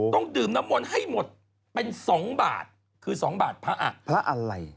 ต้องดื่มน้ำมนต์ให้หมดเป็น๒บาทคือ๒บาทพระอะไร